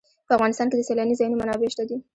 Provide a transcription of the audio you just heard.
په افغانستان کې د سیلاني ځایونو منابع شته دي.